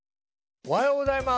おはようございます。